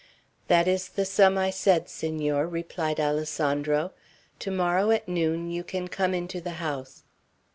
"That is the sum I said, Senor," replied Alessandro. "Tomorrow, at noon, you can come into the house."